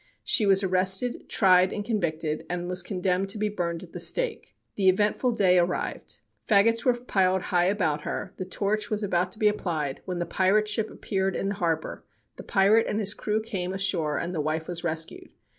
She was arrested, tried and convicted, and was condemned to be burned at the stake. The eventful day arrived. Fagots were piled high about her, the torch was about to be applied, when the pirate ship appeared in the harbor, the pirate and his crew came ashore, and the wife was rescued.